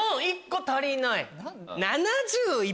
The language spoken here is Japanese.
１個足りない。